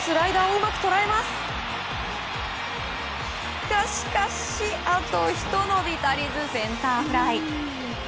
が、しかしあと、ひと伸び足りずセンターフライ。